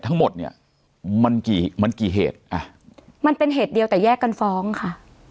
ทั้งหมดเนี่ยมันกี่มันกี่เหตุอ่ะมันเป็นเหตุเดียวแต่แยกกันฟ้องค่ะ